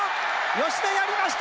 吉田やりました！